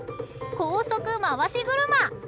高速回し車。